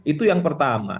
itu yang pertama